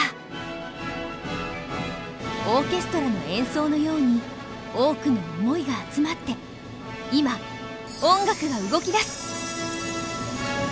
オーケストラの演奏のように多くの想いが集まって今音楽が動きだす！